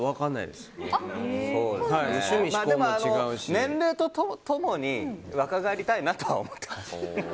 でも年齢と共に若返りたいなとは思っていますよ。